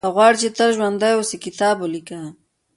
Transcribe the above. • که غواړې چې تل ژوندی اوسې، کتاب ولیکه.